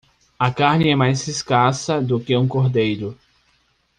A carne é mais escassa do que um cordeiro.